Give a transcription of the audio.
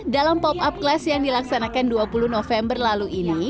dalam pop up class yang dilaksanakan dua puluh november lalu ini